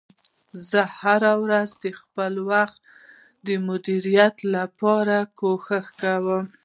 زه هره ورځ د خپل وخت د مدیریت لپاره کوښښ کوم